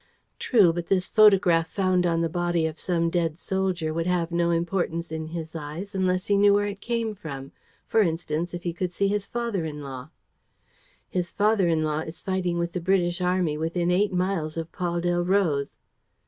"True; but this photograph, found on the body of some dead soldier, would have no importance in his eyes unless he knew where it came from, for instance, if he could see his father in law." "His father in law is fighting with the British army within eight miles of Paul Delroze."